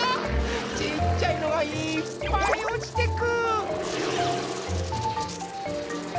ちっちゃいのがいっぱいおちてく。